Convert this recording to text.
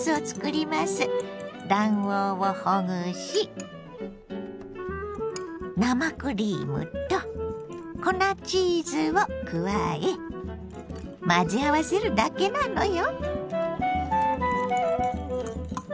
卵黄をほぐし生クリームと粉チーズを加え混ぜ合わせるだけなのよ。